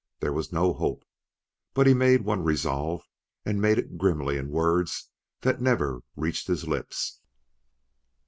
There was no hope; but he made one resolve and made it grimly in words that never reached his lips.